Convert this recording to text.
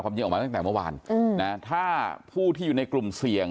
ความเยี่ยมออกมาตั้งแต่เมื่อวานถ้าผู้ที่อยู่ในกลุ่มเสี่ยง